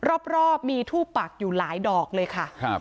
รอบมีทูบปักอยู่หลายดอกเลยค่ะครับ